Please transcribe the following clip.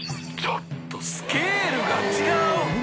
ちょっとスケールが違う。